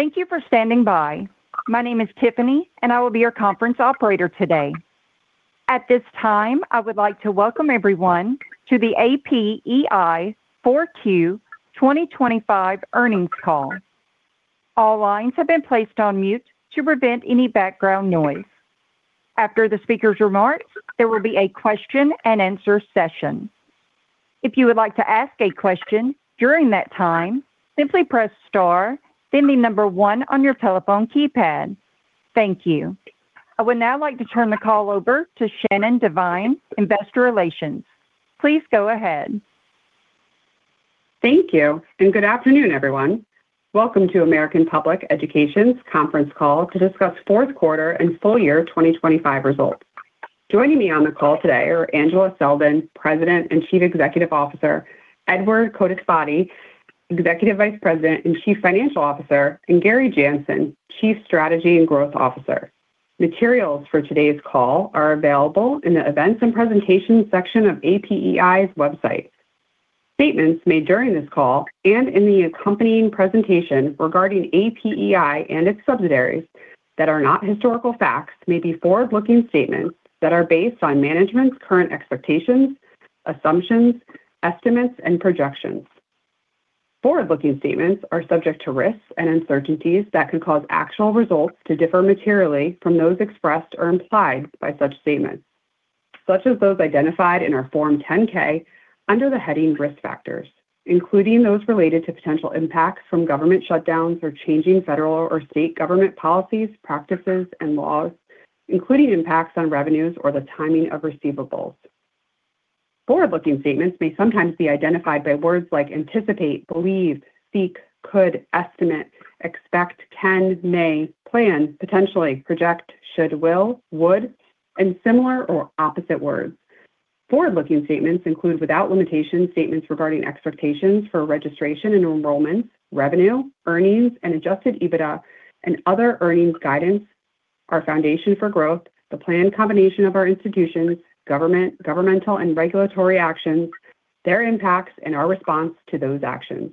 Thank you for standing by. My name is Tiffany, and I will be your conference operator today. At this time, I would like to welcome everyone to the APEI 4Q 2025 earnings call. All lines have been placed on mute to prevent any background noise. After the speaker's remarks, there will be a question and answer session. If you would like to ask a question during that time, simply press star, then the number one on your telephone keypad. Thank you. I would now like to turn the call over to Shannon Devine, Investor Relations. Please go ahead. Thank you, and good afternoon, everyone. Welcome to American Public Education's conference call to discuss fourth quarter and full year 2025 results. Joining me on the call today are Angela Selden, President and Chief Executive Officer, Edward Codispoti, Executive Vice President and Chief Financial Officer, and Gary Janson, Chief Strategy and Growth Officer. Materials for today's call are available in the Events and Presentations section of APEI's website. Statements made during this call and in the accompanying presentation regarding APEI and its subsidiaries that are not historical facts may be forward-looking statements that are based on management's current expectations, assumptions, estimates, and projections. Forward-looking statements are subject to risks and uncertainties that could cause actual results to differ materially from those expressed or implied by such statements, such as those identified in our Form 10-K under the heading Risk Factors, including those related to potential impacts from government shutdowns or changing federal or state government policies, practices, and laws, including impacts on revenues or the timing of receivables. Forward-looking statements may sometimes be identified by words like anticipate, believe, seek, could, estimate, expect, can, may, plan, potentially, project, should, will, would, and similar or opposite words. Forward-looking statements include, without limitation, statements regarding expectations for registration and enrollments, revenue, earnings, and adjusted EBITDA and other earnings guidance, our foundation for growth, the planned combination of our institutions, government, governmental and regulatory actions, their impacts and our response to those actions,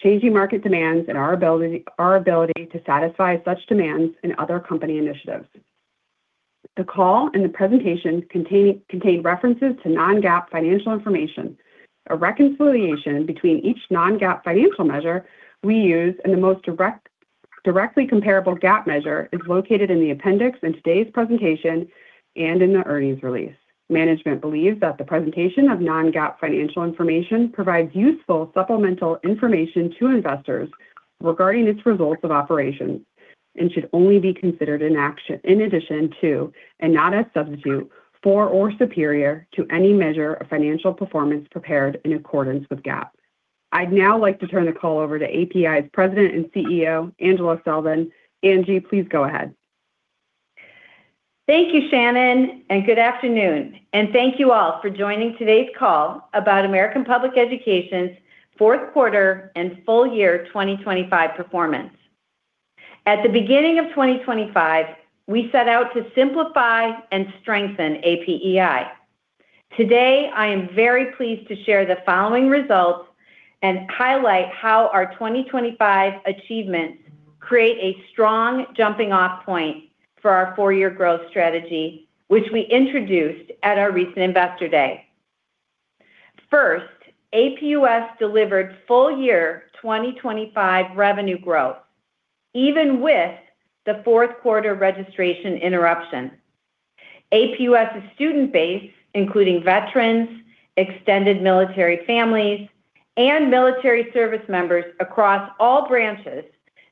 changing market demands and our ability to satisfy such demands and other company initiatives. The call and the presentation contain references to non-GAAP financial information. A reconciliation between each non-GAAP financial measure we use and the most directly comparable GAAP measure is located in the appendix in today's presentation and in the earnings release. Management believes that the presentation of non-GAAP financial information provides useful supplemental information to investors regarding its results of operations and should only be considered in addition to and not as a substitute for or superior to any measure of financial performance prepared in accordance with GAAP. I'd now like to turn the call over to APEI's President and CEO, Angela Selden. Angie, please go ahead. Thank you, Shannon, and good afternoon, and thank you all for joining today's call about American Public Education's fourth quarter and full year 2025 performance. At the beginning of 2025, we set out to simplify and strengthen APEI. Today, I am very pleased to share the following results and highlight how our 2025 achievements create a strong jumping-off point for our four-year growth strategy, which we introduced at our recent Investor Day. First, APUS delivered full year 2025 revenue growth, even with the fourth quarter registration interruption. APUS's student base, including veterans, extended military families, and military service members across all branches,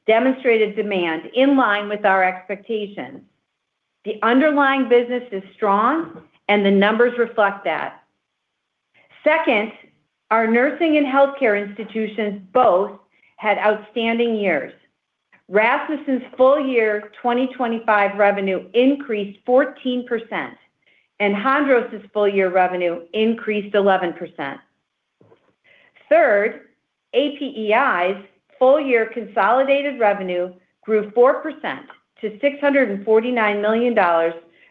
demonstrated demand in line with our expectations. The underlying business is strong, and the numbers reflect that. Second, our nursing and healthcare institutions both had outstanding years. Rasmussen's full year 2025 revenue increased 14%, and Hondros' full year revenue increased 11%. Third, APEI's full year consolidated revenue grew 4%-$649 million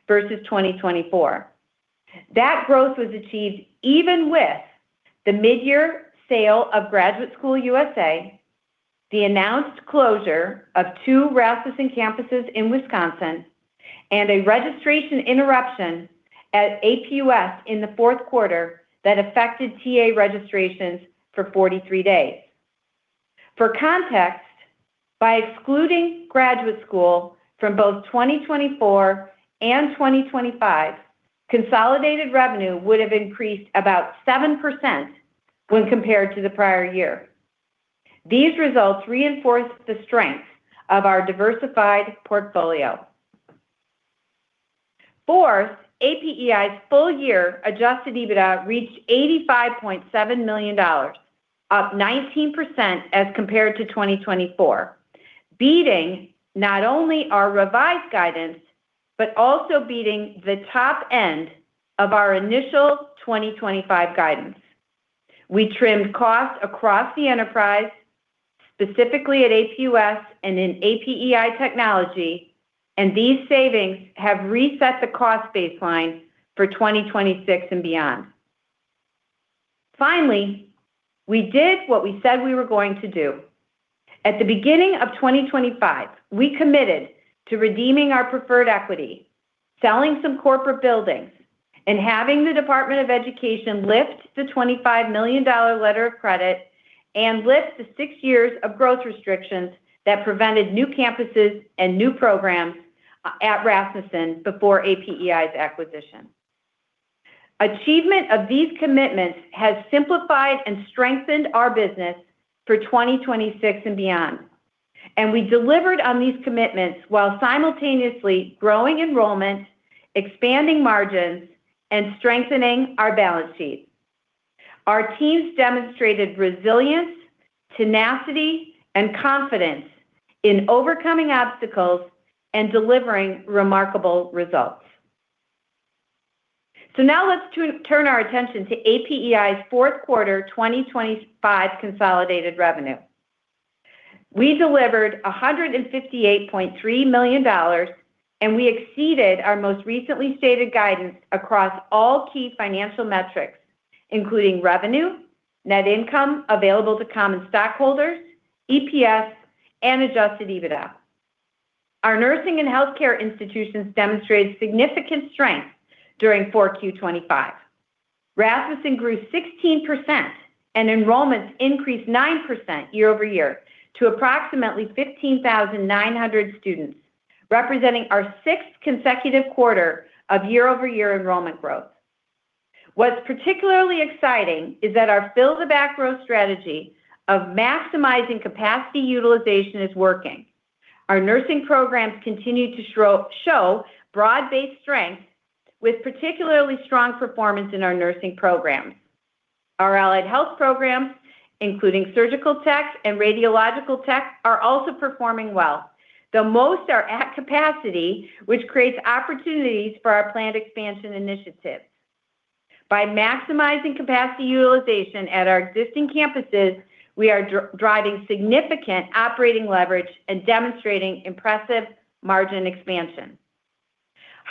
versus 2024. That growth was achieved even with the mid-year sale of Graduate School U.S.A., the announced closure of two Rasmussen campuses in Wisconsin, and a registration interruption at APUS in the fourth quarter that affected TA registrations for 43 days. For context, by excluding Graduate School U.S.A. from both 2024 and 2025, consolidated revenue would have increased about 7% when compared to the prior year. These results reinforce the strength of our diversified portfolio. Fourth, APEI's full year adjusted EBITDA reached $85.7 million, up 19% as compared to 2024, beating not only our revised guidance, but also beating the top end of our initial 2025 guidance. We trimmed costs across the enterprise, specifically at APUS and in APEI Technology, and these savings have reset the cost baseline for 2026 and beyond. Finally, we did what we said we were going to do. At the beginning of 2025, we committed to redeeming our preferred equity, selling some corporate buildings, and having the Department of Education lift the $25 million letter of credit and lift the 6 years of growth restrictions that prevented new campuses and new programs at Rasmussen before APEI's acquisition. Achievement of these commitments has simplified and strengthened our business for 2026 and beyond, and we delivered on these commitments while simultaneously growing enrollment, expanding margins, and strengthening our balance sheet. Our teams demonstrated resilience, tenacity, and confidence in overcoming obstacles and delivering remarkable results. Now let's turn our attention to APEI's fourth quarter 2025 consolidated revenue. We delivered $158.3 million, and we exceeded our most recently stated guidance across all key financial metrics, including revenue, net income available to common stockholders, EPS, and adjusted EBITDA. Our nursing and healthcare institutions demonstrated significant strength during 4Q25. Rasmussen grew 16% and enrollments increased 9% year-over-year to approximately 15,900 students, representing our sixth consecutive quarter of year-over-year enrollment growth. What's particularly exciting is that our Fill the Back Row strategy of maximizing capacity utilization is working. Our nursing programs continue to show broad-based strength with particularly strong performance in our nursing programs. Our allied health programs, including surgical tech and radiological tech, are also performing well, though most are at capacity, which creates opportunities for our planned expansion initiatives. By maximizing capacity utilization at our existing campuses, we are driving significant operating leverage and demonstrating impressive margin expansion.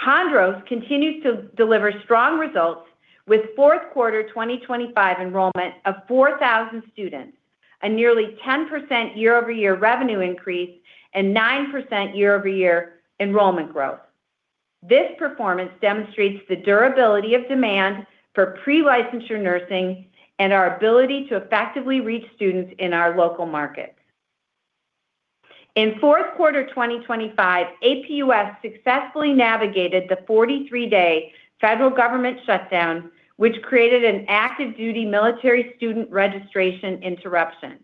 Hondros continues to deliver strong results with fourth quarter 2025 enrollment of 4,000 students, a nearly 10% year-over-year revenue increase and 9% year-over-year enrollment growth. This performance demonstrates the durability of demand for pre-licensure nursing and our ability to effectively reach students in our local markets. In fourth quarter 2025, APUS successfully navigated the 43-day federal government shutdown, which created an active duty military student registration interruption.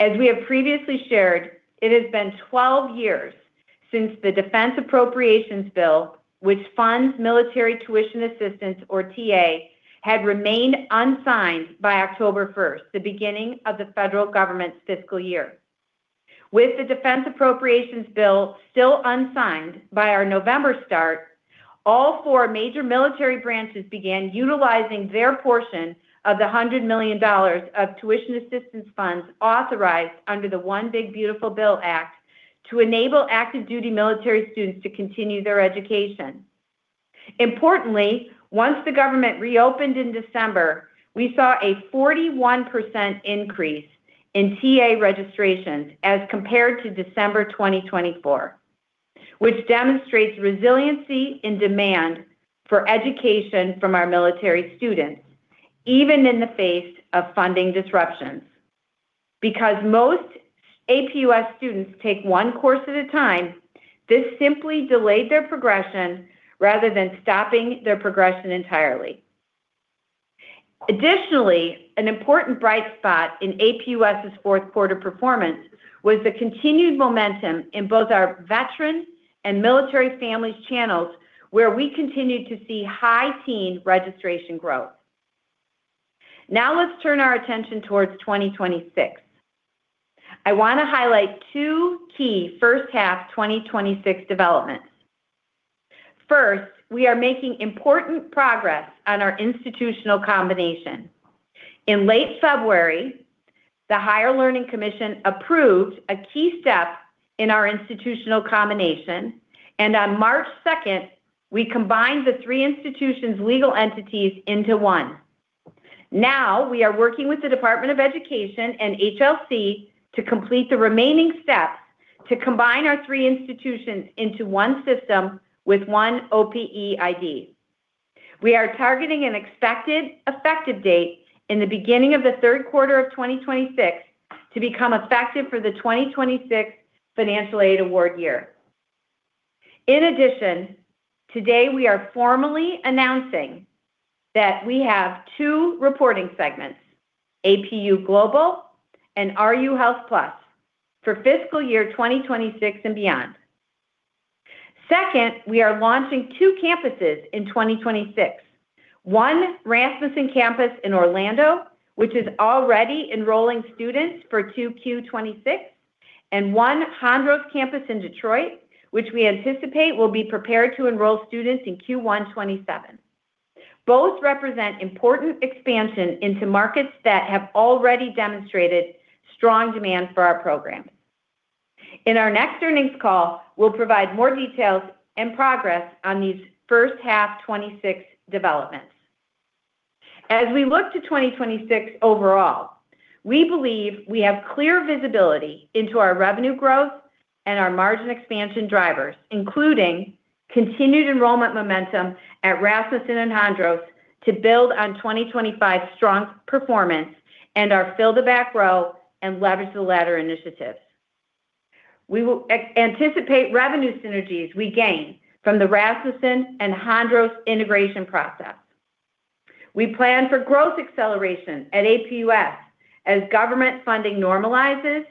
As we have previously shared, it has been 12 years since the Defense Appropriations Bill, which funds military tuition assistance, or TA, had remained unsigned by October 1, the beginning of the federal government's fiscal year. With the Defense Appropriations Bill still unsigned by our November start, all four major military branches began utilizing their portion of the $100 million of tuition assistance funds authorized under the One Big Beautiful Bill Act to enable active duty military students to continue their education. Importantly, once the government reopened in December, we saw a 41% increase in TA registrations as compared to December 2024, which demonstrates resiliency and demand for education from our military students, even in the face of funding disruptions. Because most APUS students take one course at a time, this simply delayed their progression rather than stopping their progression entirely. Additionally, an important bright spot in APUS's fourth quarter performance was the continued momentum in both our veteran and military families channels, where we continued to see high teen registration growth. Now let's turn our attention towards 2026. I wanna highlight two key first half 2026 developments. First, we are making important progress on our institutional combination. In late February, the Higher Learning Commission approved a key step in our institutional combination, and on March second, we combined the three institutions' legal entities into one. Now, we are working with the Department of Education and HLC to complete the remaining steps to combine our three institutions into one system with one OPE ID. We are targeting an expected effective date in the beginning of the third quarter of 2026 to become effective for the 2026 financial aid award year. In addition, today we are formally announcing that we have two reporting segments, APU Global and RU Health Plus, for fiscal year 2026 and beyond. Second, we are launching two campuses in 2026. One Rasmussen campus in Orlando, which is already enrolling students for Q2 2026, and one Hondros campus in Detroit, which we anticipate will be prepared to enroll students in Q1 2027. Both represent important expansion into markets that have already demonstrated strong demand for our programs. In our next earnings call, we'll provide more details and progress on these first half 2026 developments. As we look to 2026 overall, we believe we have clear visibility into our revenue growth and our margin expansion drivers, including continued enrollment momentum at Rasmussen and Hondros to build on 2025's strong performance and our Fill the Back Row and Leverage the Ladder initiatives. We will anticipate revenue synergies we gain from the Rasmussen and Hondros integration process. We plan for growth acceleration at APUS as government funding normalizes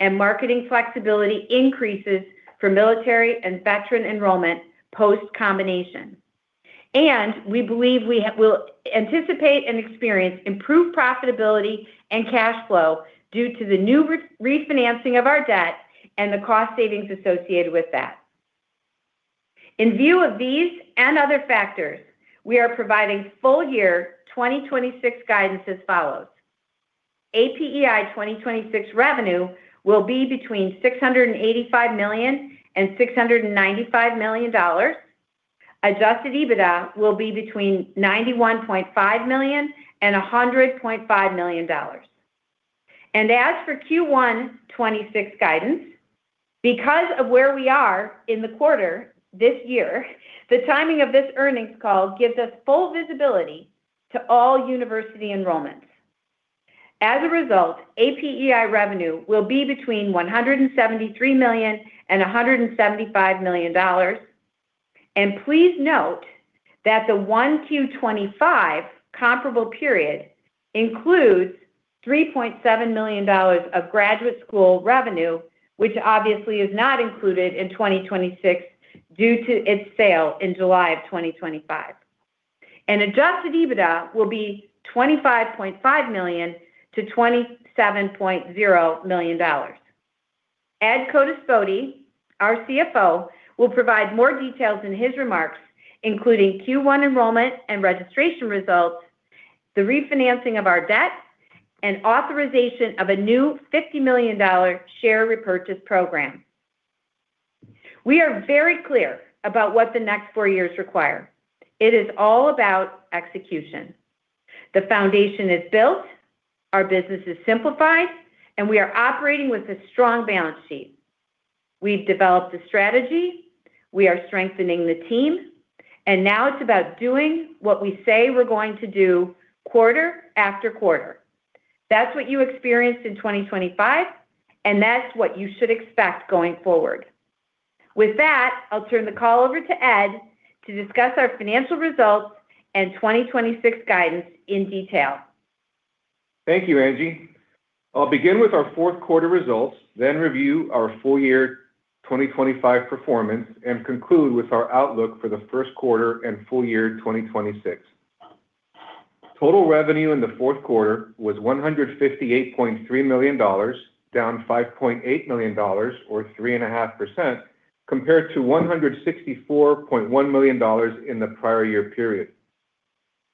and marketing flexibility increases for military and veteran enrollment post-combination. We believe we'll anticipate and experience improved profitability and cash flow due to the new re-refinancing of our debt and the cost savings associated with that. In view of these and other factors, we are providing full year 2026 guidance as follows. APEI 2026 revenue will be between $685 million-$695 million. Adjusted EBITDA will be between $91.5 million-$100.5 million. As for Q1 2026 guidance, because of where we are in the quarter this year, the timing of this earnings call gives us full visibility to all university enrollments. As a result, APEI revenue will be between $173 million-$175 million. Please note that the 1Q25 comparable period includes $3.7 million of graduate school revenue, which obviously is not included in 2026 due to its sale in July 2025. Adjusted EBITDA will be $25.5 million-$27.0 million. Ed Codispoti, our CFO, will provide more details in his remarks, including Q1 enrollment and registration results, the refinancing of our debt, and authorization of a new $50 million share repurchase program. We are very clear about what the next four years require. It is all about execution. The foundation is built, our business is simplified, and we are operating with a strong balance sheet. We've developed a strategy, we are strengthening the team, and now it's about doing what we say we're going to do quarter after quarter. That's what you experienced in 2025, and that's what you should expect going forward. With that, I'll turn the call over to Ed to discuss our financial results and 2026 guidance in detail. Thank you, Angie. I'll begin with our fourth quarter results, then review our full year 2025 performance, and conclude with our outlook for the first quarter and full year 2026. Total revenue in the fourth quarter was $158.3 million, down $5.8 million or 3.5% compared to $164.1 million in the prior year period.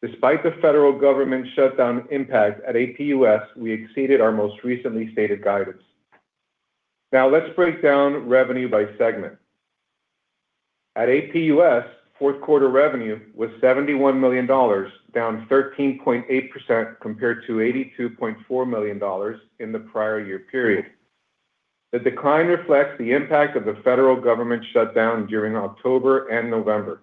Despite the federal government shutdown impact at APUS, we exceeded our most recently stated guidance. Now, let's break down revenue by segment. At APUS, fourth quarter revenue was $71 million, down 13.8% compared to $82.4 million in the prior year period. The decline reflects the impact of the federal government shutdown during October and November.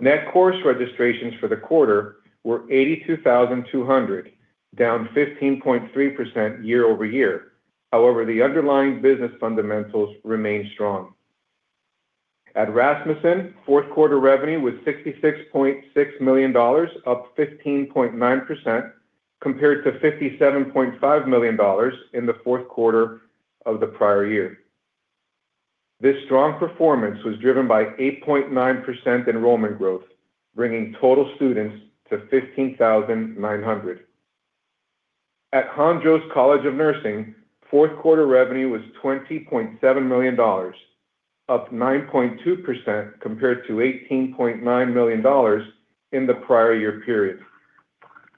Net course registrations for the quarter were 82,200, down 15.3% year-over-year. However, the underlying business fundamentals remain strong. At Rasmussen, fourth quarter revenue was $66.6 million, up 15.9% compared to $57.5 million in the fourth quarter of the prior year. This strong performance was driven by 8.9% enrollment growth, bringing total students to 15,900. At Hondros College of Nursing, fourth quarter revenue was $20.7 million, up 9.2% compared to $18.9 million in the prior year period.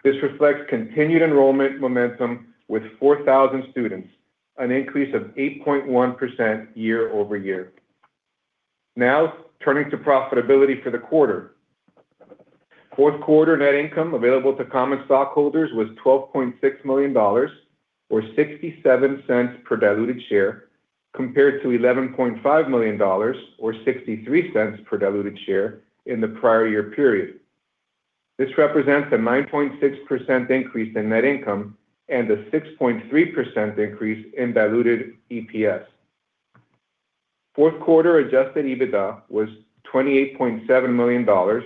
This reflects continued enrollment momentum with 4,000 students, an increase of 8.1% year-over-year. Now, turning to profitability for the quarter. Fourth quarter net income available to common stockholders was $12.6 million or $0.67 per diluted share compared to $11.5 million or $0.63 per diluted share in the prior year period. This represents a 9.6% increase in net income and a 6.3% increase in diluted EPS. Fourth quarter adjusted EBITDA was $28.7 million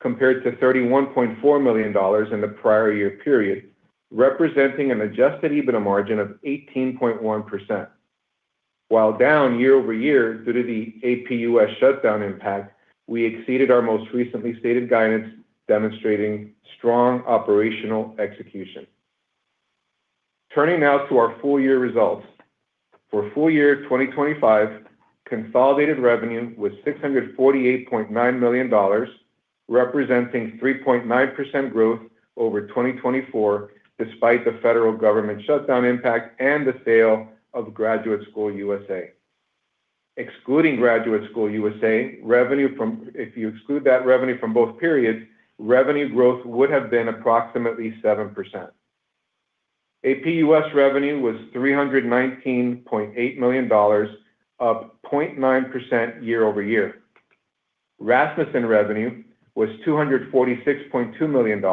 compared to $31.4 million in the prior year period, representing an adjusted EBITDA margin of 18.1%. While down year-over-year due to the APUS shutdown impact, we exceeded our most recently stated guidance, demonstrating strong operational execution. Turning now to our full year results. For full year 2025, consolidated revenue was $648.9 million. Representing 3.9% growth over 2024 despite the federal government shutdown impact and the sale of Graduate School U.S.A.. Excluding Graduate School U.S.A., If you exclude that revenue from both periods, revenue growth would have been approximately 7%. APUS revenue was $319.8 million, up 0.9% year-over-year. Rasmussen revenue was $246.2 million,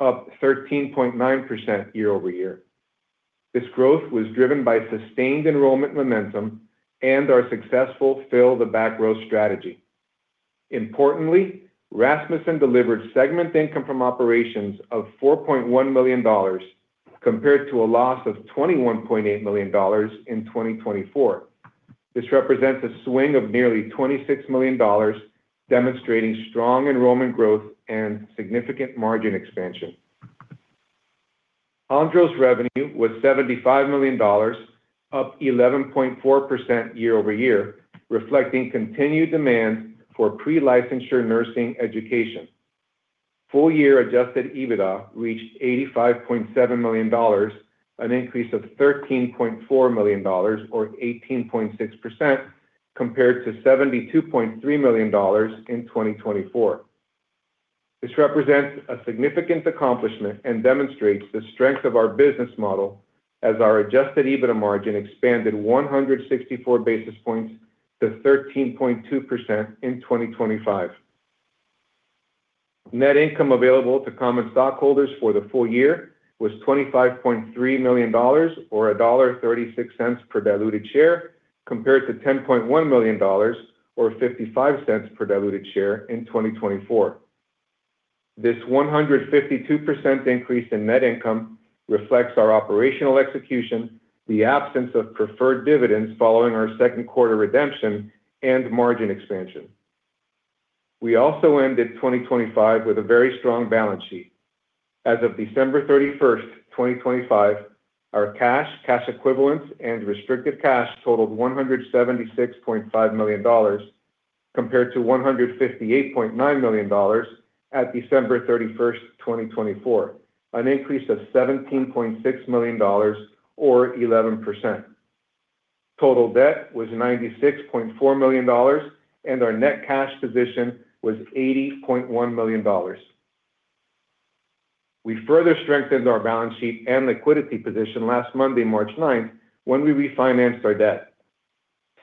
up 13.9% year-over-year. This growth was driven by sustained enrollment momentum and our successful Fill the Back Row strategy. Importantly, Rasmussen delivered segment income from operations of $4.1 million compared to a loss of $21.8 million in 2024. This represents a swing of nearly $26 million, demonstrating strong enrollment growth and significant margin expansion. Hondros revenue was $75 million, up 11.4% year over year, reflecting continued demand for pre-licensure nursing education. Full year adjusted EBITDA reached $85.7 million, an increase of $13.4 million or 18.6% compared to $72.3 million in 2024. This represents a significant accomplishment and demonstrates the strength of our business model as our adjusted EBITDA margin expanded 164 basis points to 13.2% in 2025. Net income available to common stockholders for the full year was $25.3 million or $1.36 per diluted share compared to $10.1 million or $0.55 per diluted share in 2024. This 152% increase in net income reflects our operational execution, the absence of preferred dividends following our second quarter redemption, and margin expansion. We also ended 2025 with a very strong balance sheet. As of December 31, 2025, our cash equivalents, and restricted cash totaled $176.5 million compared to $158.9 million at December 31, 2024, an increase of $17.6 million or 11%. Total debt was $96.4 million, and our net cash position was $80.1 million. We further strengthened our balance sheet and liquidity position last Monday, March 9, when we refinanced our debt.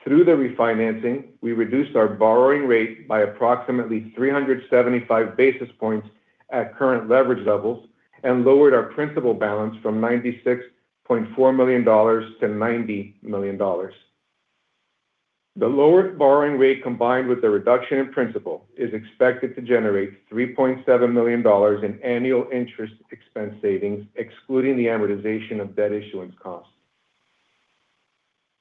Through the refinancing, we reduced our borrowing rate by approximately 375 basis points at current leverage levels and lowered our principal balance from $96.4 million- $90 million. The lower borrowing rate combined with the reduction in principal is expected to generate $3.7 million in annual interest expense savings, excluding the amortization of debt issuance costs.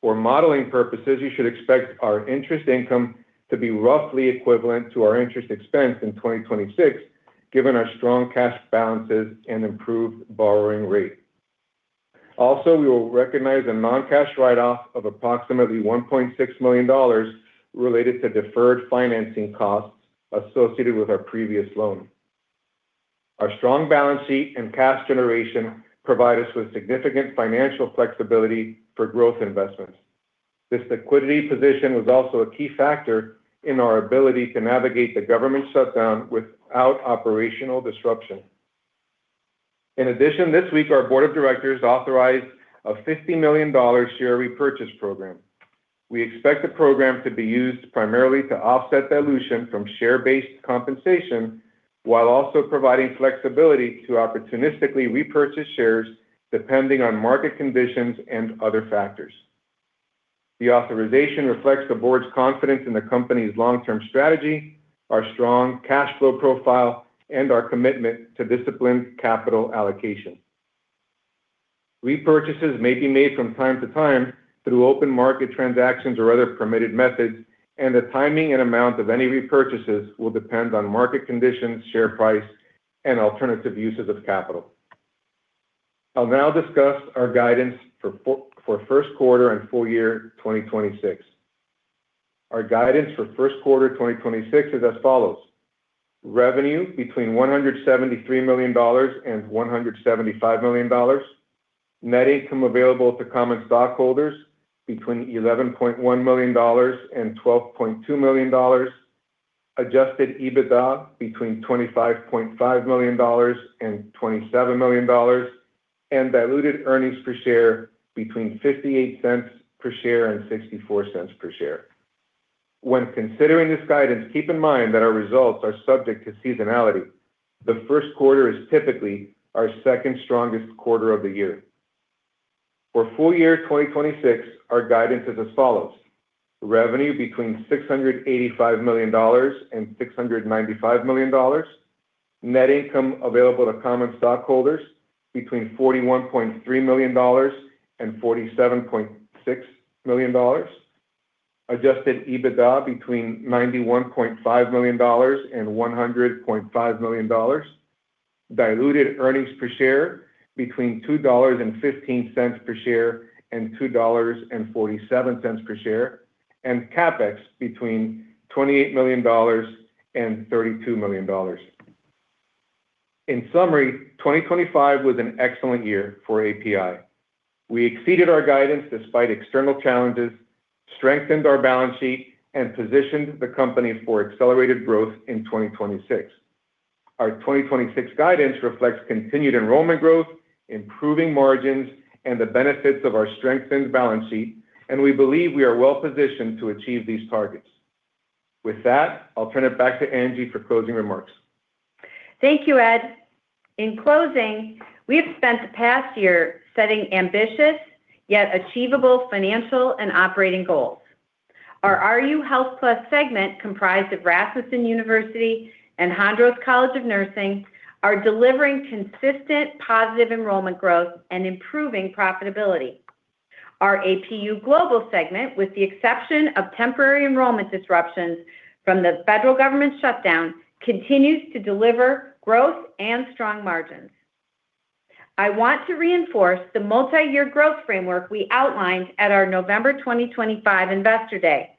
For modeling purposes, you should expect our interest income to be roughly equivalent to our interest expense in 2026, given our strong cash balances and improved borrowing rate. Also, we will recognize a non-cash write-off of approximately $1.6 million related to deferred financing costs associated with our previous loan. Our strong balance sheet and cash generation provide us with significant financial flexibility for growth investments. This liquidity position was also a key factor in our ability to navigate the government shutdown without operational disruption. In addition, this week our board of directors authorized a $50 million share repurchase program. We expect the program to be used primarily to offset dilution from share-based compensation while also providing flexibility to opportunistically repurchase shares depending on market conditions and other factors. The authorization reflects the board's confidence in the company's long-term strategy, our strong cash flow profile, and our commitment to disciplined capital allocation. Repurchases may be made from time to time through open market transactions or other permitted methods, and the timing and amount of any repurchases will depend on market conditions, share price, and alternative uses of capital. I'll now discuss our guidance for first quarter and full year 2026. Our guidance for first quarter 2026 is as follows. Revenue between $173 million and $175 million. Net income available to common stockholders between $11.1 million and $12.2 million. Adjusted EBITDA between $25.5 million and $27 million. Diluted earnings per share between $0.58 per share and $0.64 per share. When considering this guidance, keep in mind that our results are subject to seasonality. The first quarter is typically our second strongest quarter of the year. For full year 2026, our guidance is as follows. Revenue between $685 million and $695 million. Net income available to common stockholders between $41.3 million and $47.6 million. Adjusted EBITDA between $91.5 million and $100.5 million. Diluted earnings per share between $2.15 per share and $2.47 per share, and CapEx between $28 million and $32 million. In summary, 2025 was an excellent year for APEI. We exceeded our guidance despite external challenges, strengthened our balance sheet, and positioned the company for accelerated growth in 2026. Our 2026 guidance reflects continued enrollment growth, improving margins, and the benefits of our strengthened balance sheet, and we believe we are well positioned to achieve these targets. With that, I'll turn it back to Angie for closing remarks. Thank you, Ed. In closing, we have spent the past year setting ambitious, yet achievable financial and operating goals. Our RU Health Plus segment, comprised of Rasmussen University and Hondros College of Nursing, are delivering consistent positive enrollment growth and improving profitability. Our APU Global segment, with the exception of temporary enrollment disruptions from the federal government shutdown, continues to deliver growth and strong margins. I want to reinforce the multi-year growth framework we outlined at our November 2025 Investor Day.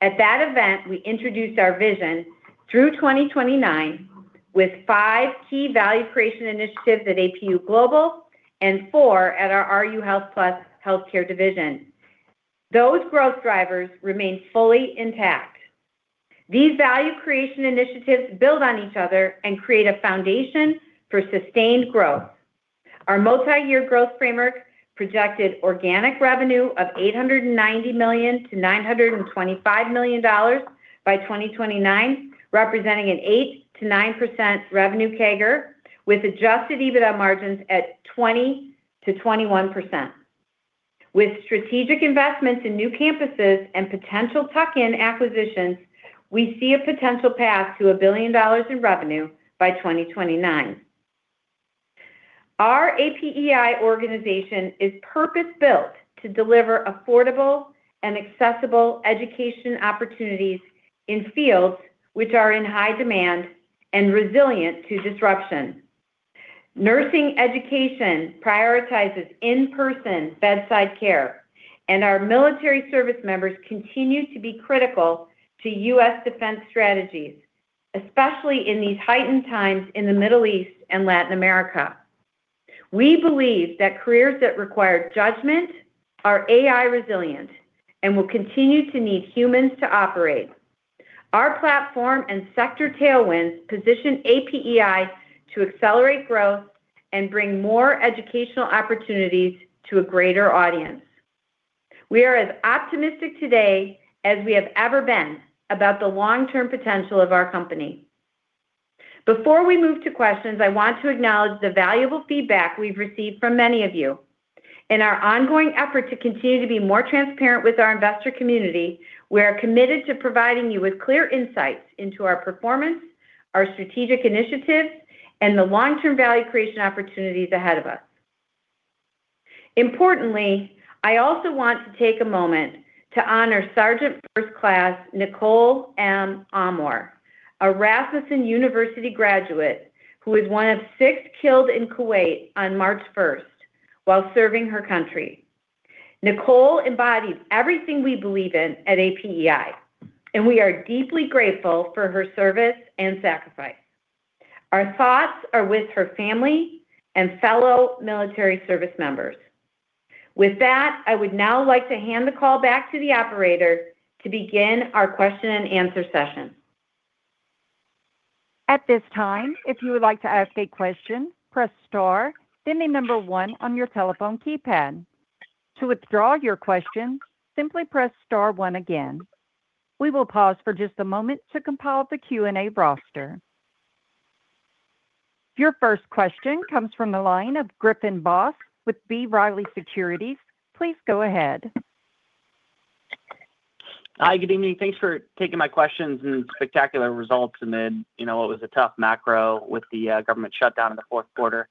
At that event, we introduced our vision through 2029 with five key value creation initiatives at APU Global and four at our RU Health Plus healthcare division. Those growth drivers remain fully intact. These value creation initiatives build on each other and create a foundation for sustained growth. Our multi-year growth framework projected organic revenue of $890 million-$925 million by 2029, representing an 8%-9% revenue CAGR, with adjusted EBITDA margins at 20%-21%. With strategic investments in new campuses and potential tuck-in acquisitions, we see a potential path to $1 billion in revenue by 2029. Our APEI organization is purpose-built to deliver affordable and accessible education opportunities in fields which are in high demand and resilient to disruption. Nursing education prioritizes in-person bedside care, and our military service members continue to be critical to U.S. defense strategies, especially in these heightened times in the Middle East and Latin America. We believe that careers that require judgment are AI resilient and will continue to need humans to operate. Our platform and sector tailwinds position APEI to accelerate growth and bring more educational opportunities to a greater audience. We are as optimistic today as we have ever been about the long-term potential of our company. Before we move to questions, I want to acknowledge the valuable feedback we've received from many of you. In our ongoing effort to continue to be more transparent with our investor community, we are committed to providing you with clear insights into our performance, our strategic initiatives, and the long-term value creation opportunities ahead of us. Importantly, I also want to take a moment to honor Sergeant First Class Nicole M. Amor, a Rasmussen University graduate who was one of six killed in Kuwait on March first while serving her country. Nicole embodies everything we believe in at APEI, and we are deeply grateful for her service and sacrifice. Our thoughts are with her family and fellow military service members. With that, I would now like to hand the call back to the operator to begin our question and answer session. At this time, if you would like to ask a question, press star, then the number one on your telephone keypad. To withdraw your question, simply press star one again. We will pause for just a moment to compile the Q&A roster. Your first question comes from the line of Griffin Boss with B. Riley Securities. Please go ahead. Hi. Good evening. Thanks for taking my questions and spectacular results amid, you know, what was a tough macro with the government shutdown in the fourth quarter.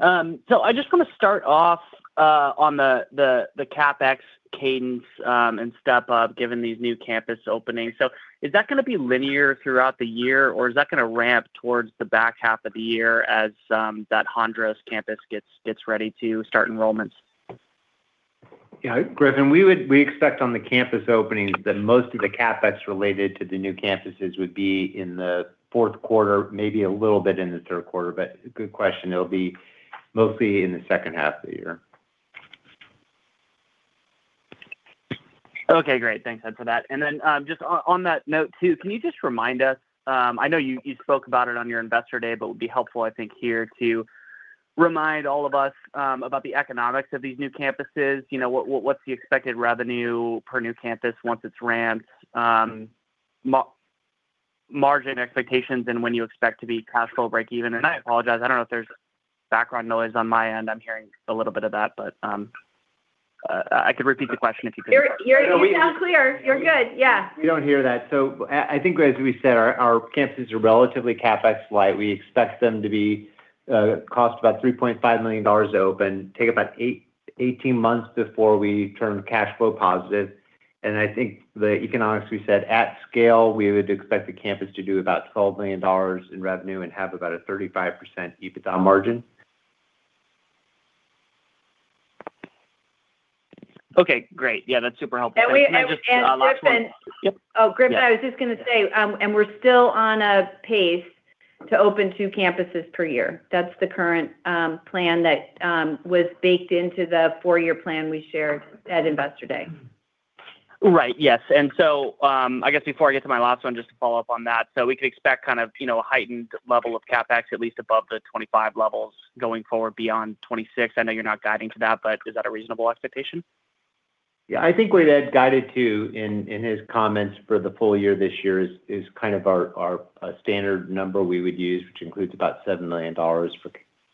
I just wanna start off on the CapEx cadence and step up given these new campus openings. Is that gonna be linear throughout the year, or is that gonna ramp towards the back half of the year as that Hondros campus gets ready to start enrollments? Yeah, Griffin, we expect on the campus openings that most of the CapEx related to the new campuses would be in the fourth quarter, maybe a little bit in the third quarter. Good question. It'll be mostly in the second half of the year. Okay, great. Thanks, Ed, for that. Then, just on that note too, can you just remind us? I know you spoke about it on your Investor Day, but it would be helpful, I think, here to remind all of us, about the economics of these new campuses. You know, what's the expected revenue per new campus once it's ramped, margin expectations and when you expect to be cash flow break even? I apologize, I don't know if there's background noise on my end. I'm hearing a little bit of that. I could repeat the question if you could- You're coming in sounding clear. You're good. Yeah. We don't hear that. I think as we said, our campuses are relatively CapEx light. We expect them to cost about $3.5 million to open, take about 8-18 months before we turn cash flow positive. I think the economics we said at scale, we would expect the campus to do about $12 million in revenue and have about a 35% EBITDA margin. Okay, great. Yeah, that's super helpful. Griffin. Yeah. Oh, Griffin, I was just gonna say, we're still on a pace to open two campuses per year. That's the current plan that was baked into the four-year plan we shared at Investor Day. Right. Yes. I guess before I get to my last one, just to follow up on that. We could expect kind of, you know, a heightened level of CapEx, at least above the 25 levels going forward beyond 26. I know you're not guiding to that, but is that a reasonable expectation? Yeah. I think what Ed guided to in his comments for the full year this year is kind of our standard number we would use, which includes about $7 million for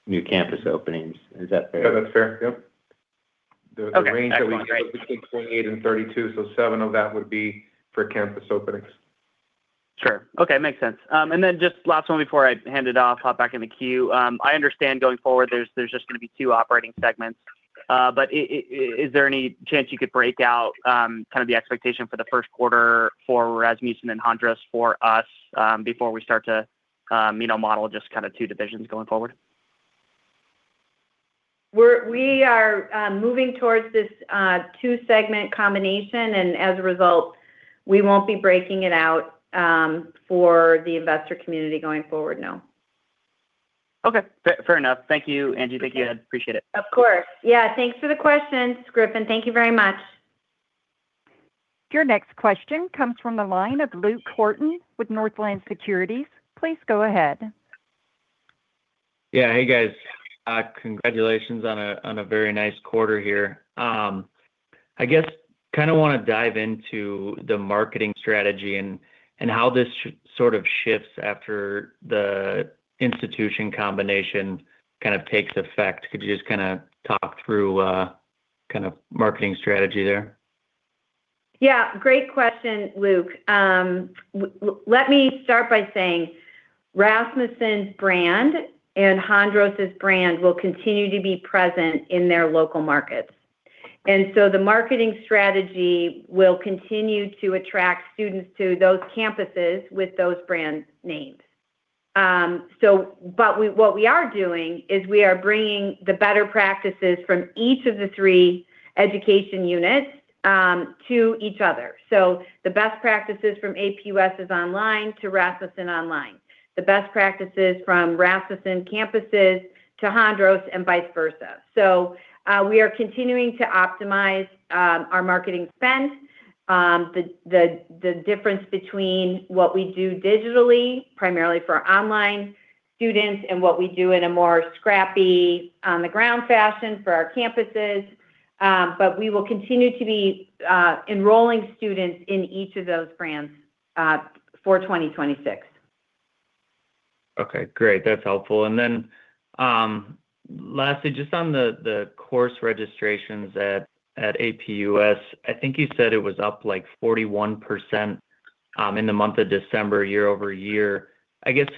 new campus openings. Is that fair? Yeah, that's fair. Yep. Okay, excellent. The range that we expect between 28 and 32, so 7 of that would be for campus openings. Sure. Okay. Makes sense. And then just last one before I hand it off, hop back in the queue. I understand going forward there's just gonna be two operating segments. But is there any chance you could break out kind of the expectation for the first quarter for Rasmussen and Hondros for us before we start to you know model just kind of two divisions going forward? We are moving towards this two-segment combination, and as a result, we won't be breaking it out for the investor community going forward, no. Okay. Fair, fair enough. Thank you, Angie. Okay. Thank you, Ed. Appreciate it. Of course. Yeah. Thanks for the questions, Griffin. Thank you very much. Your next question comes from the line of Luke Horton with Northland Securities. Please go ahead. Yeah. Hey, guys. Congratulations on a very nice quarter here. I guess kind of wanna dive into the marketing strategy and how this sort of shifts after the institution combination kind of takes effect. Could you just kinda talk through kind of marketing strategy there? Yeah. Great question, Luke. Well, let me start by saying Rasmussen's brand and Hondros' brand will continue to be present in their local markets. The marketing strategy will continue to attract students to those campuses with those brand names. What we are doing is we are bringing the better practices from each of the three education units to each other. The best practices from APUS is online to Rasmussen online. The best practices from Rasmussen campuses to Hondros and vice versa. We are continuing to optimize our marketing spend. The difference between what we do digitally, primarily for our online students and what we do in a more scrappy, on the ground fashion for our campuses. We will continue to be enrolling students in each of those brands for 2026. Okay, great. That's helpful. Then, lastly, just on the course registrations at APUS, I think you said it was up, like, 41% in the month of December, year-over-year. I guess,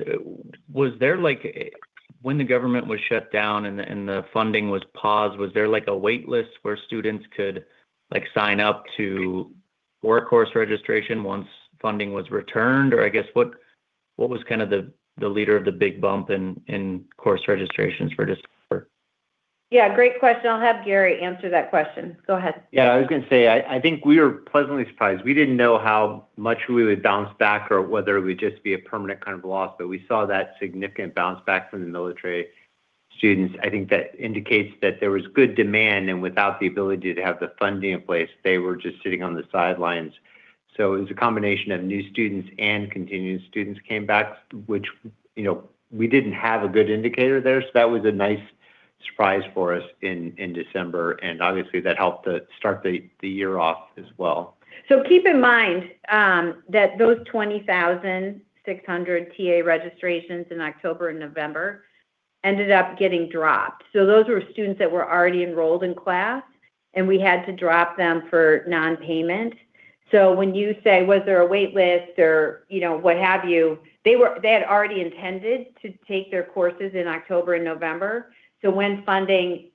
when the government was shut down and the funding was paused, was there like a wait list where students could, like, sign up for course registration once funding was returned? Or I guess, what was kind of the leader of the big bump in course registrations for December? Yeah, great question. I'll have Gary answer that question. Go ahead. Yeah. I was gonna say, I think we were pleasantly surprised. We didn't know how much we would bounce back or whether it would just be a permanent kind of loss, but we saw that significant bounce back from the military students. I think that indicates that there was good demand, and without the ability to have the funding in place, they were just sitting on the sidelines. It was a combination of new students and continuing students came back, which, you know, we didn't have a good indicator there. That was a nice surprise for us in December, and obviously that helped to start the year off as well. Keep in mind that those 20,600 TA registrations in October and November ended up getting dropped. Those were students that were already enrolled in class, and we had to drop them for non-payment. When you say, "Was there a wait list?" or, you know, what have you, they had already intended to take their courses in October and November. When funding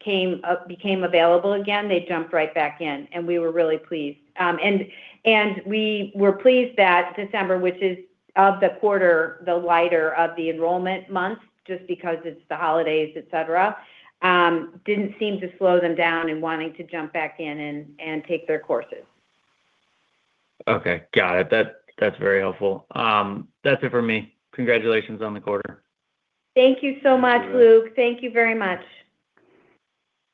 became available again, they jumped right back in, and we were really pleased that December, which is of the quarter, the lighter of the enrollment months, just because it's the holidays, et cetera, didn't seem to slow them down in wanting to jump back in and take their courses. Okay. Got it. That's very helpful. That's it for me. Congratulations on the quarter. Thank you so much, Luke. Thank you, Luke. Thank you very much.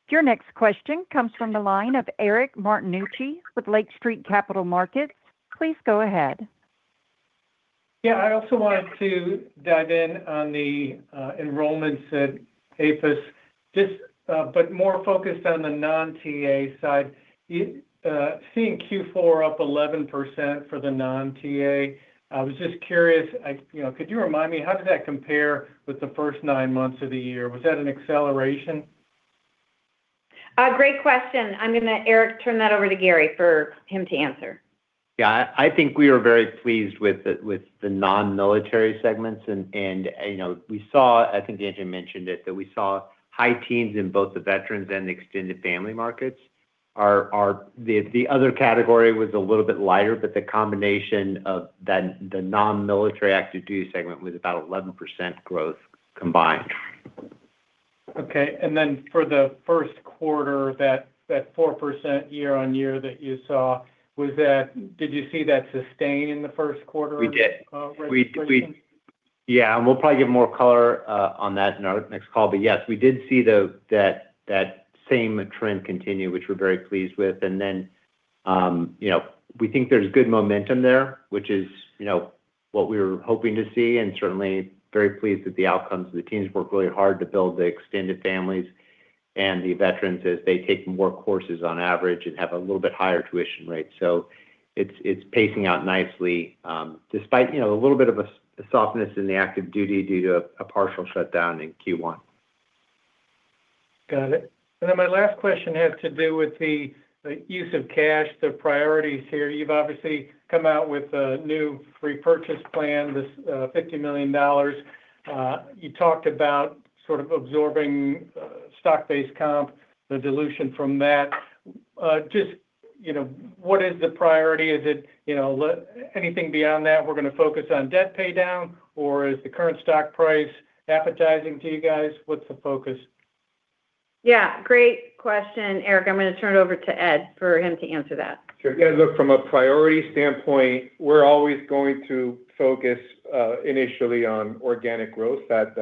Your next question comes from the line of Eric Martinuzzi with Lake Street Capital Markets. Please go ahead. Yeah. I also wanted to dive in on the enrollments at APUS, just but more focused on the non-TA side. Seeing Q4 up 11% for the non-TA, I was just curious. You know, could you remind me, how did that compare with the first nine months of the year? Was that an acceleration? Great question. I'm gonna, Eric, turn that over to Gary for him to answer. Yeah, I think we are very pleased with the non-military segments and, you know, we saw, I think Angie mentioned it, that we saw high teens in both the veterans and extended family markets. Our other category was a little bit lighter, but the combination of the non-military active duty segment was about 11% growth combined. Okay. Then for the first quarter, that 4% year-on-year that you saw, was that, did you see that sustain in the first quarter? We did. of registration? Yeah, we'll probably give more color on that in our next call. Yes, we did see that same trend continue, which we're very pleased with. You know, we think there's good momentum there, which is, you know, what we were hoping to see and certainly very pleased with the outcomes. The teams worked really hard to build the extended families and the veterans as they take more courses on average and have a little bit higher tuition rates. It's pacing out nicely, despite, you know, a little bit of a softness in the active duty due to a partial shutdown in Q1. Got it. My last question has to do with the use of cash, the priorities here. You've obviously come out with a new repurchase plan, this $50 million. You talked about sort of absorbing stock-based comp, the dilution from that. Just, you know, what is the priority? Is it, you know, anything beyond that, we're gonna focus on debt pay down, or is the current stock price appetizing to you guys? What's the focus? Yeah, great question, Eric. I'm gonna turn it over to Ed for him to answer that. Sure. Yeah, look, from a priority standpoint, we're always going to focus initially on organic growth. That's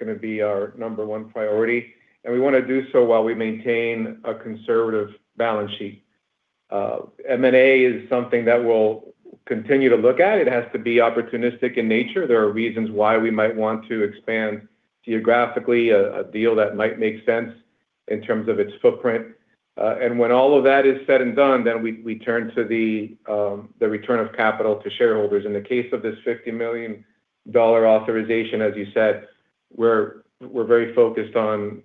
gonna be our number one priority. We wanna do so while we maintain a conservative balance sheet. M&A is something that we'll continue to look at. It has to be opportunistic in nature. There are reasons why we might want to expand geographically, a deal that might make sense in terms of its footprint. When all of that is said and done, we turn to the return of capital to shareholders. In the case of this $50 million authorization, as you said, we're very focused on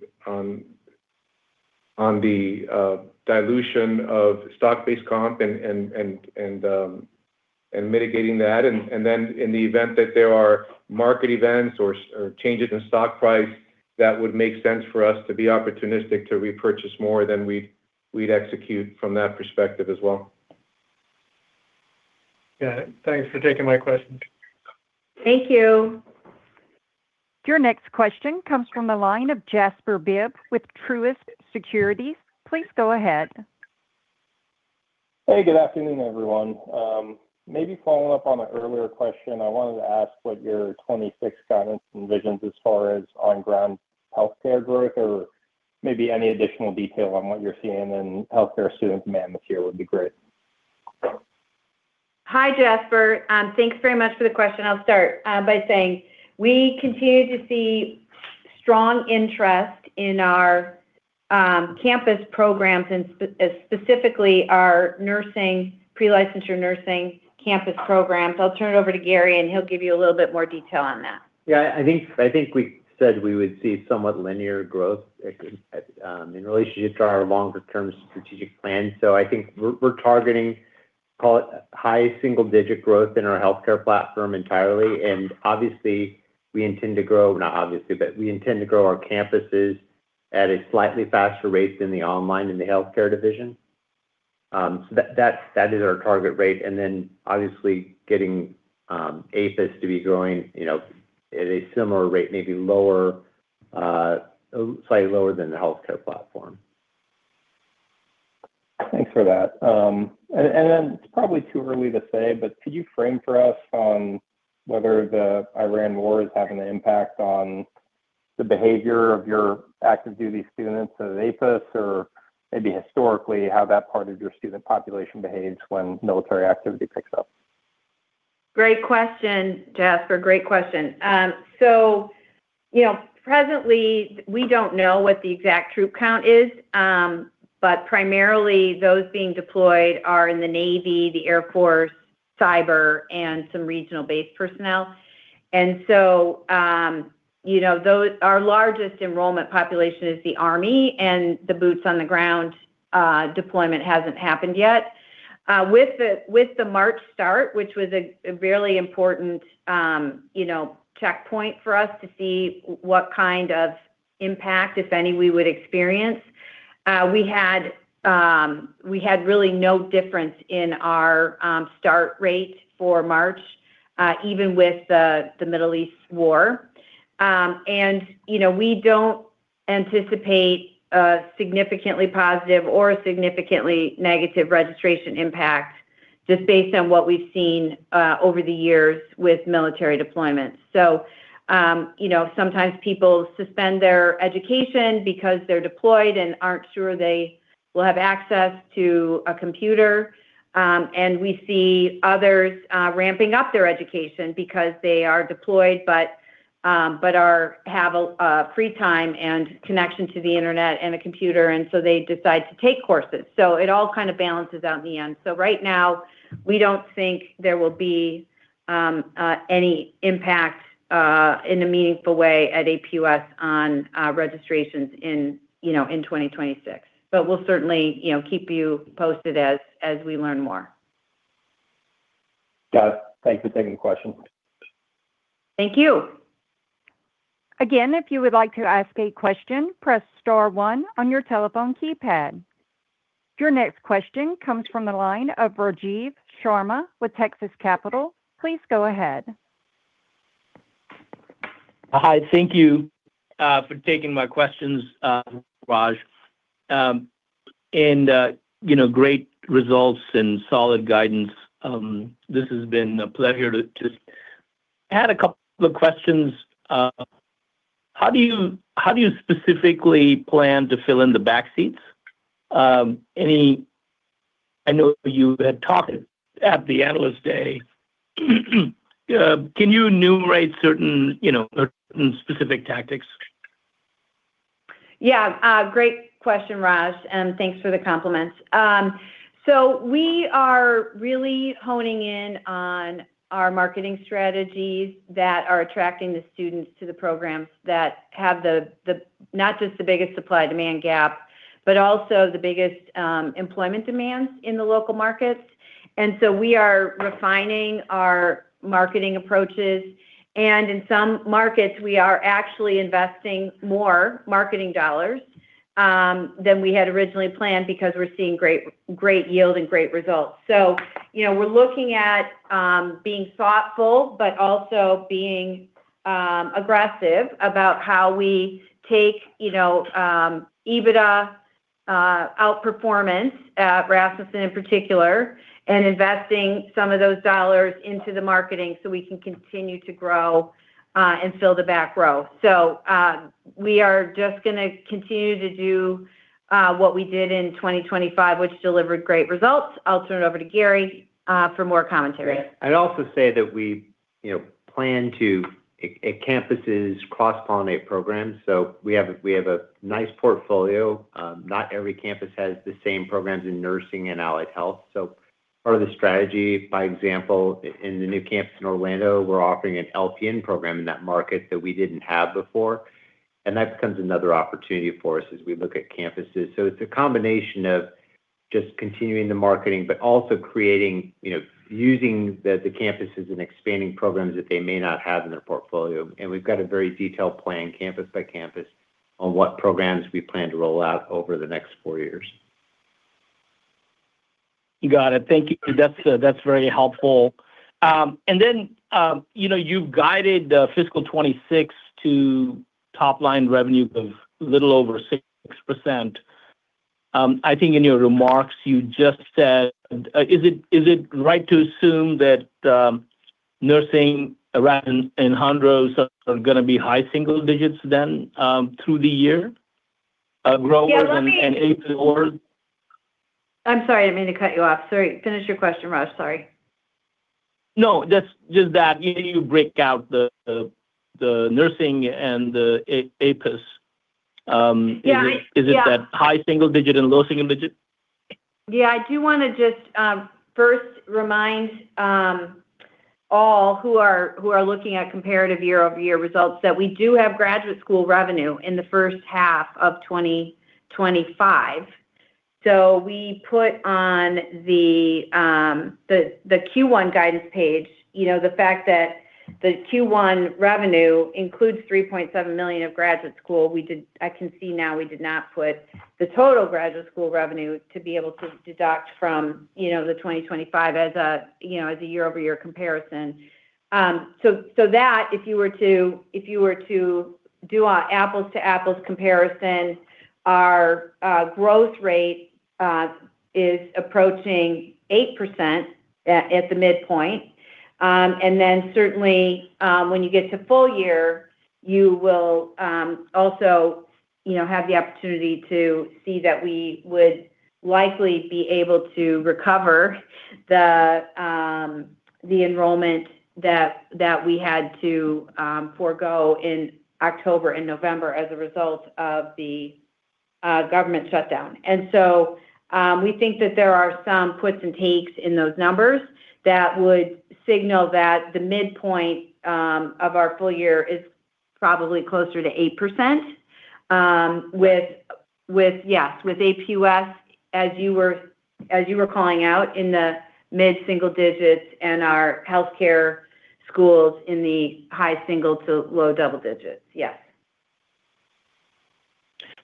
the dilution of stock-based comp and mitigating that. In the event that there are market events or changes in stock price that would make sense for us to be opportunistic to repurchase more, then we'd execute from that perspective as well. Got it. Thanks for taking my questions. Thank you. Your next question comes from the line of Jasper Bibb with Truist Securities. Please go ahead. Hey, good afternoon, everyone. Maybe following up on an earlier question, I wanted to ask what your 2026 guidance envisions as far as on-ground healthcare growth or maybe any additional detail on what you're seeing in healthcare student demand this year would be great. Hi, Jasper. Thanks very much for the question. I'll start by saying we continue to see strong interest in our campus programs and specifically our nursing, pre-licensure nursing campus programs. I'll turn it over to Gary, and he'll give you a little bit more detail on that. Yeah, I think we said we would see somewhat linear growth in relationship to our longer term strategic plan. I think we're targeting, call it high single digit growth in our healthcare platform entirely. We intend to grow, not obviously, but we intend to grow our campuses at a slightly faster rate than the online and the healthcare division. That's our target rate. Obviously getting APUS to be growing, you know, at a similar rate, maybe lower, slightly lower than the healthcare platform. Thanks for that. It's probably too early to say, but could you frame for us on whether the Iran war is having an impact on the behavior of your active duty students at APUS or maybe historically how that part of your student population behaves when military activity picks up? Great question, Jasper. So, you know, presently we don't know what the exact troop count is, but primarily those being deployed are in the Navy, the Air Force, cyber, and some regional-based personnel. You know, those our largest enrollment population is the Army, and the boots on the ground deployment hasn't happened yet. With the March start, which was a really important you know, checkpoint for us to see what kind of impact, if any, we would experience, we had really no difference in our start rate for March, even with the Middle East war. And, you know, we don't anticipate a significantly positive or a significantly negative registration impact just based on what we've seen over the years with military deployments. You know, sometimes people suspend their education because they're deployed and aren't sure they will have access to a computer. We see others ramping up their education because they are deployed but have free time and connection to the internet and a computer, and so they decide to take courses. It all kind of balances out in the end. Right now we don't think there will be any impact in a meaningful way at APUS on registrations in, you know, in 2026. We'll certainly keep you posted as we learn more. Got it. Thanks for taking the question. Thank you. Again, if you would like to ask a question, press star one on your telephone keypad. Your next question comes from the line of Rajiv Sharma with Texas Capital Bank. Please go ahead. Hi. Thank you for taking my questions, Raj. You know, great results and solid guidance. This has been a pleasure. I had a couple of questions. How do you specifically plan to fill the back row? I know you had talked at the Analyst Day. Can you enumerate certain specific tactics? Yeah. Great question, Raj, and thanks for the compliments. We are really honing in on our marketing strategies that are attracting the students to the programs that have not just the biggest supply-demand gap, but also the biggest employment demands in the local markets. We are refining our marketing approaches, and in some markets, we are actually investing more marketing dollars than we had originally planned because we're seeing great yield and great results. You know, we're looking at being thoughtful but also being aggressive about how we take you know EBITDA outperformance at Rasmussen in particular, and investing some of those dollars into the marketing so we can continue to grow and Fill the Back Row. We are just gonna continue to do what we did in 2025, which delivered great results. I'll turn it over to Gary for more commentary. I'd also say that we, you know, plan to at campuses cross-pollinate programs. We have a nice portfolio. Not every campus has the same programs in nursing and allied health. Part of the strategy, for example, in the new campus in Orlando, we're offering an LPN program in that market that we didn't have before, and that becomes another opportunity for us as we look at campuses. It's a combination of just continuing the marketing, but also creating, you know, using the campuses and expanding programs that they may not have in their portfolio. We've got a very detailed plan campus by campus on what programs we plan to roll out over the next four years. Got it. Thank you. That's very helpful. And then, you know, you've guided the fiscal 2026 to top-line revenue of little over 6%. I think in your remarks, you just said, is it right to assume that nursing in Hondros are gonna be high single digits% then through the year, grow over and APUS. I'm sorry. I didn't mean to cut you off. Sorry. Finish your question, Raj. Sorry. No, just that you break out the nursing and the APUS. Is it Yeah. Is it that high single digit and low single digit? Yeah, I do wanna just first remind all who are looking at comparative year-over-year results that we do have Graduate School revenue in the first half of 2025. We put on the Q1 guidance page, you know, the fact that the Q1 revenue includes $3.7 million of Graduate School. I can see now we did not put the total Graduate School revenue to be able to deduct from, you know, the 2025 as a year-over-year comparison. That if you were to do an apples to apples comparison, our growth rate is approaching 8% at the midpoint. Certainly, when you get to full year, you will also, you know, have the opportunity to see that we would likely be able to recover the enrollment that we had to forego in October and November as a result of the government shutdown. We think that there are some puts and takes in those numbers that would signal that the midpoint of our full year is probably closer to 8%, with APUS, as you were calling out, in the mid-single digits and our healthcare schools in the high single to low double digits. Yes.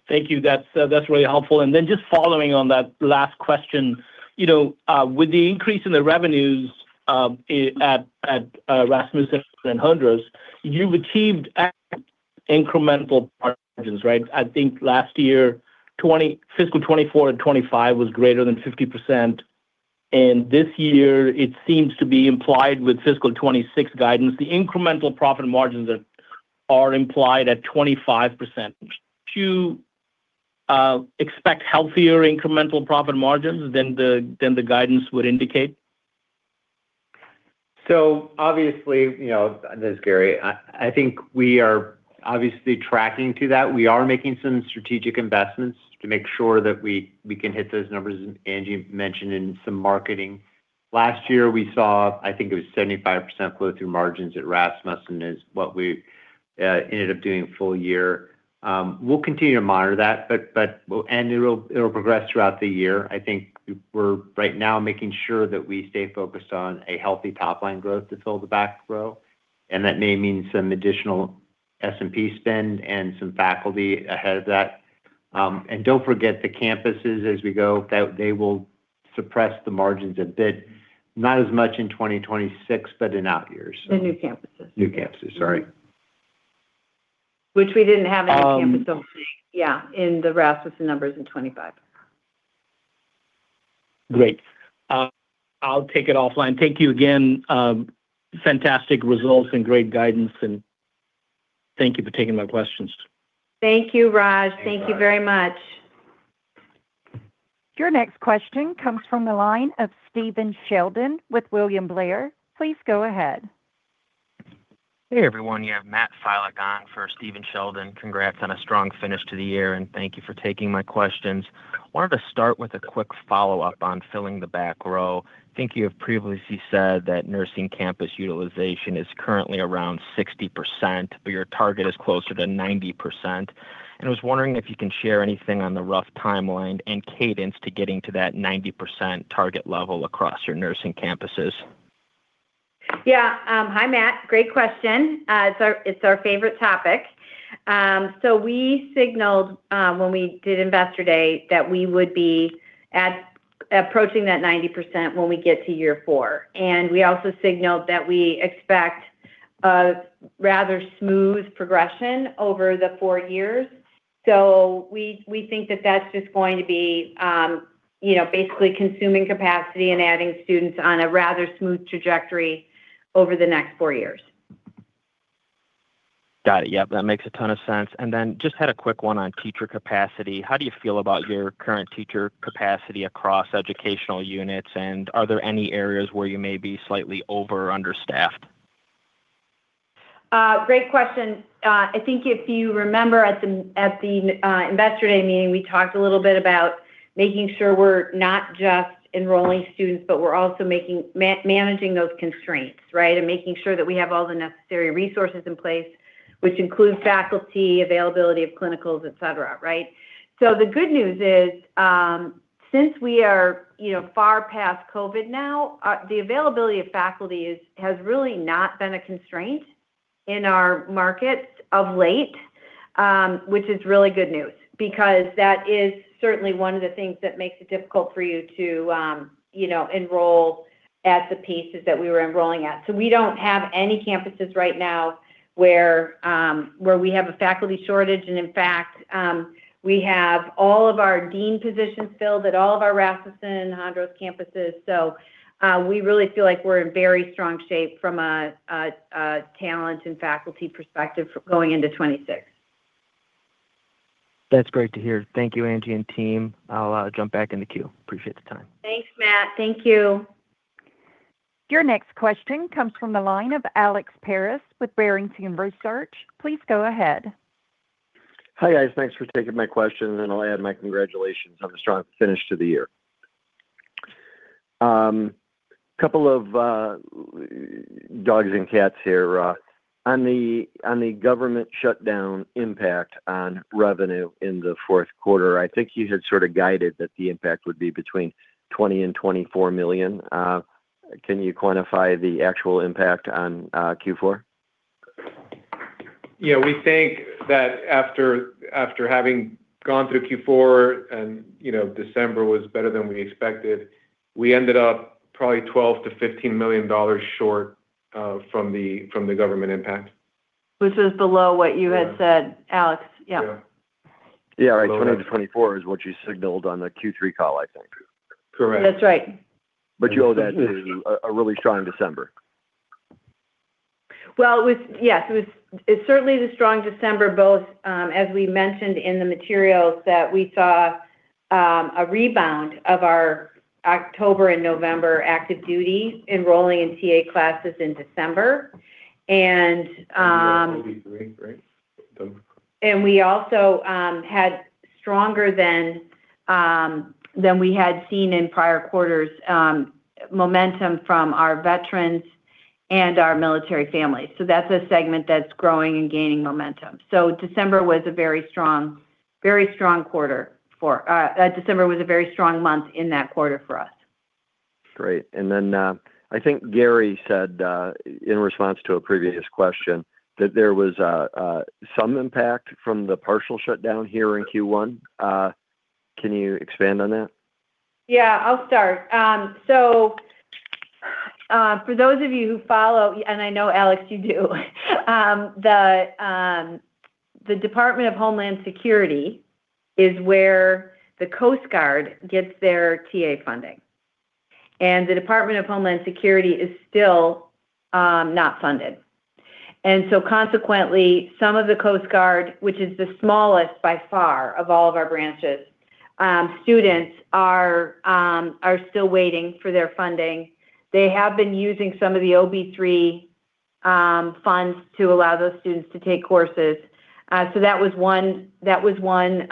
Thank you. That's really helpful. Then just following on that last question, you know, with the increase in the revenues at Rasmussen and Hondros, you've achieved incremental margins, right? I think last year, fiscal 2024 and 2025 was greater than 50%, and this year it seems to be implied with fiscal 2026 guidance. The incremental profit margins are implied at 25%. Do you expect healthier incremental profit margins than the guidance would indicate? Obviously, you know, this is Gary. I think we are obviously tracking to that. We are making some strategic investments to make sure that we can hit those numbers. Angie mentioned in some marketing. Last year, we saw, I think it was 75% flow-through margins at Rasmussen is what we ended up doing full year. We'll continue to monitor that, but it'll progress throughout the year. I think we're right now making sure that we stay focused on a healthy top-line growth to fill the back row, and that may mean some additional S&M spend and some faculty ahead of that. Don't forget the campuses as we go, that they will suppress the margins a bit, not as much in 2026, but in out years. The new campuses. New campuses, sorry. Which we didn't have any campuses. Um- Yeah, in the Rasmussen numbers in 2025. Great. I'll take it offline. Thank you again. Fantastic results and great guidance, and thank you for taking my questions. Thank you, Raj. Thanks, Raj. Thank you very much. Your next question comes from the line of Stephen Sheldon with William Blair. Please go ahead. Hey, everyone. You have Matt Filek on for Stephen Sheldon. Congrats on a strong finish to the year, and thank you for taking my questions. Wanted to start with a quick follow-up on Fill the Back Row. I think you have previously said that nursing campus utilization is currently around 60%, but your target is closer to 90%. I was wondering if you can share anything on the rough timeline and cadence to getting to that 90% target level across your nursing campuses. Yeah. Hi, Matt. Great question. It's our favorite topic. We signaled when we did Investor Day that we would be approaching that 90% when we get to year four. We also signaled that we expect a rather smooth progression over the four years. We think that that's just going to be, you know, basically consuming capacity and adding students on a rather smooth trajectory over the next four years. Got it. Yep, that makes a ton of sense. Just had a quick one on teacher capacity. How do you feel about your current teacher capacity across educational units? Are there any areas where you may be slightly over or understaffed? Great question. I think if you remember at the Investor Day meeting, we talked a little bit about making sure we're not just enrolling students, but we're also managing those constraints, right? Making sure that we have all the necessary resources in place, which includes faculty, availability of clinicals, etc., right? The good news is, since we are, you know, far past COVID now, the availability of faculty has really not been a constraint in our markets of late, which is really good news because that is certainly one of the things that makes it difficult for you to, you know, enroll at the paces that we were enrolling at. We don't have any campuses right now where we have a faculty shortage. In fact, we have all of our dean positions filled at all of our Rasmussen and Hondros campuses. We really feel like we're in very strong shape from a talent and faculty perspective going into 2026. That's great to hear. Thank you, Angie and team. I'll jump back in the queue. Appreciate the time. Thanks, Matt. Thank you. Your next question comes from the line of Alex Paris with Barrington Research. Please go ahead. Hi, guys. Thanks for taking my questions, and I'll add my congratulations on the strong finish to the year. A couple of questions here on the government shutdown impact on revenue in the fourth quarter. I think you had sort of guided that the impact would be between $20 million and $24 million. Can you quantify the actual impact on Q4? Yeah, we think that after having gone through Q4 and, you know, December was better than we expected, we ended up probably $12 million-$15 million short from the government impact. Which is below what you had said, Alex. Yeah. Yeah. Yeah. Right. 2020-2024 is what you signaled on the Q3 call, I think. Correct. That's right. You owe that to a really strong December. Yes, it was certainly a strong December, both, as we mentioned in the materials that we saw, a rebound of our October and November active duty enrolling in TA classes in December. We also had stronger than we had seen in prior quarters, momentum from our veterans and our military families. That's a segment that's growing and gaining momentum. December was a very strong month in that quarter for us. Great. I think Gary said, in response to a previous question that there was some impact from the partial shutdown here in Q1. Can you expand on that? Yeah, I'll start. For those of you who follow, and I know Alex, you do, the Department of Homeland Security is where the Coast Guard gets their TA funding. The Department of Homeland Security is still not funded. Consequently, some of the Coast Guard, which is the smallest by far of all of our branches, students are still waiting for their funding. They have been using some of the OBBBA funds to allow those students to take courses. That was one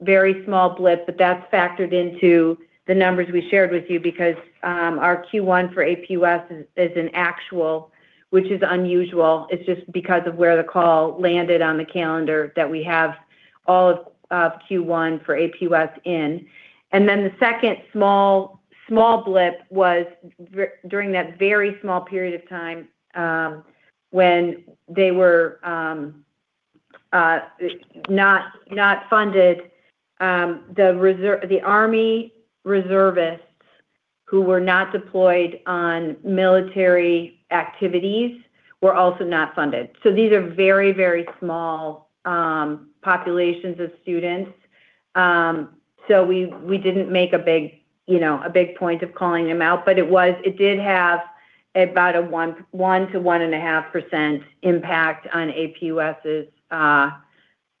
very small blip, but that's factored into the numbers we shared with you because our Q1 for APUS is an actual, which is unusual. It's just because of where the call landed on the calendar that we have all of Q1 for APUS in. The second small blip was during that very small period of time, when they were not funded, the army reservists who were not deployed on military activities were also not funded. These are very small populations of students. We didn't make a big point of calling them out, but it did have about a 1%-1.5% impact on APUS's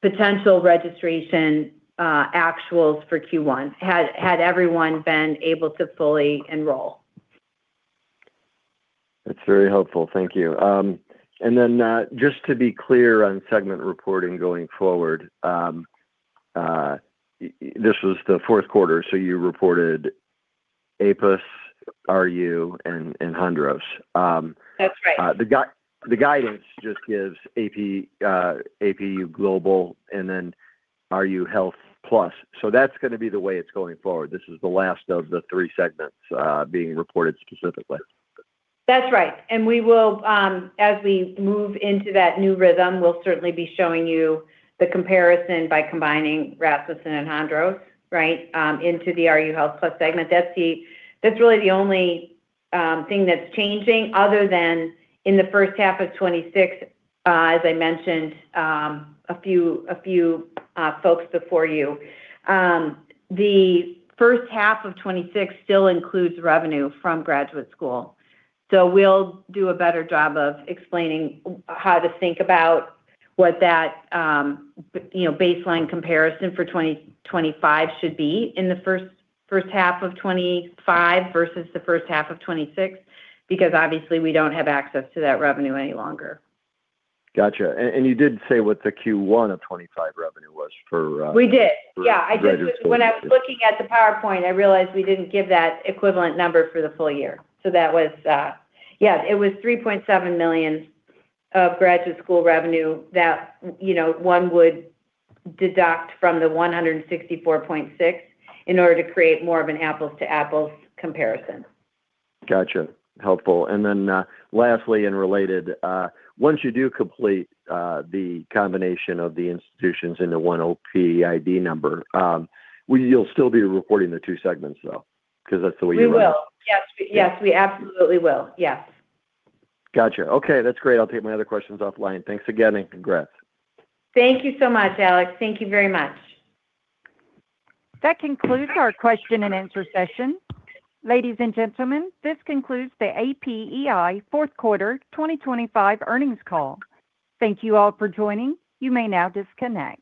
potential registration actuals for Q1 had everyone been able to fully enroll. That's very helpful. Thank you. Just to be clear on segment reporting going forward, this was the fourth quarter, so you reported APUS, RU, and Hondros. That's right. The guidance just gives APEI, APU Global and then RU Health Plus. That's gonna be the way it's going forward. This is the last of the three segments being reported specifically. That's right. We will, as we move into that new rhythm, we'll certainly be showing you the comparison by combining Rasmussen and Hondros, right, into the RU Health Plus segment. That's really the only thing that's changing other than in the first half of 2026, as I mentioned, a few folks before you, the first half of 2026 still includes revenue from Graduate School. We'll do a better job of explaining how to think about what that, you know, baseline comparison for 2025 should be in the first half of 2025 versus the first half of 2026 because obviously we don't have access to that revenue any longer. Gotcha. You did say what the Q1 of 2025 revenue was for? We did. Yeah. For graduate school. I did. When I was looking at the PowerPoint, I realized we didn't give that equivalent number for the full year. That was, yeah, it was $3.7 million of graduate school revenue that, you know, one would deduct from the $164.6 million in order to create more of an apples to apples comparison. Gotcha. Helpful. Lastly and related, once you do complete the combination of the institutions into one OPE ID number, will you still be reporting the two segments, though? Because that's the way you- We will. Yes. Yes. Yes. We absolutely will. Yes. Gotcha. Okay, that's great. I'll take my other questions offline. Thanks again, and congrats. Thank you so much, Alex. Thank you very much. That concludes our question and answer session. Ladies and gentlemen, this concludes the APEI fourth quarter 2025 earnings call. Thank you all for joining. You may now disconnect.